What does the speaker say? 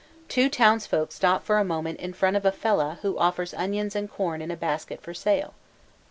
Two townsfolk stop for a moment in front of a fellah who offers onions and corn in a basket for sale.